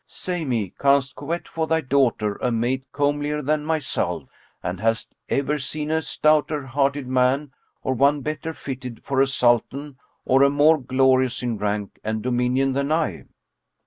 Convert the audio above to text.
Say me, canst covet for thy daughter a mate comelier than myself, and hast ever seen a stouter hearted man or one better fitted for a Sultan or a more glorious in rank and dominion than I?"